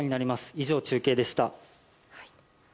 以上、中継でした。